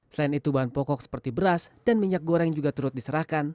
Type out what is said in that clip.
selain itu bahan pokok seperti beras dan minyak goreng juga turut diserahkan